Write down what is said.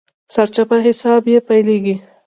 سرچپه حساب يې پيلېږي.